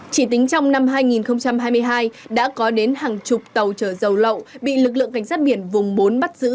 chỉ tính trong năm hai nghìn hai mươi hai đã có đến hàng chục tàu chở dầu lậu bị lực lượng cảnh sát biển vùng bốn bắt giữ